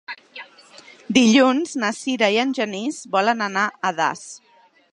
Dilluns na Sira i en Genís volen anar a Das.